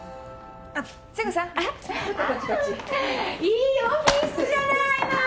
いいオフィスじゃないの。